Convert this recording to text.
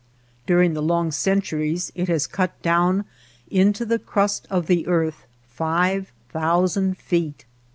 During the long centuries it has cut down into the crust of the earth five thousand feet.